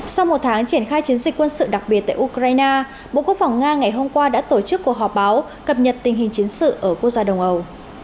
sau một tháng triển khai chiến dịch quân sự đặc biệt tại ukraine bộ quốc phòng nga ngày hôm qua đã tổ chức cuộc họp báo cập nhật tình hình chiến sự ở quốc gia đông âu